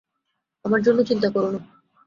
আমার জন্য চিন্তা কর না।